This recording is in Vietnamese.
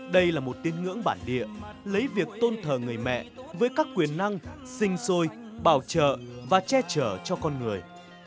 đây là một tín ngưỡng bản địa lấy việc tôn thờ người mẹ với các quyền năng sinh sôi bảo trợ và che chở cho con người